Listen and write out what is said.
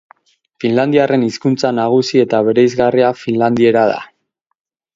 Finlandiarren hizkuntza nagusi eta bereizgarria finlandiera da.